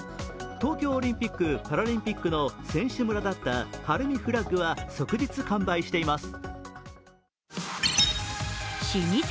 東京オリンピック・パラリンピックの選手村だった晴海フラッグは即日完売しています。